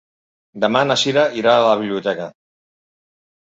Demà na Sira irà a la biblioteca.